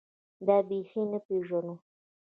دا بېخي نه پېژنو.